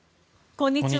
こんにちは。